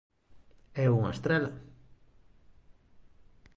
E unha estrela.